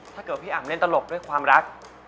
ถ้าเกิดพี่อ่ำเล่นตลกด้วยความรัก